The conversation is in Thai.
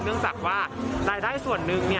เนื่องจากว่ารายได้ส่วนหนึ่ง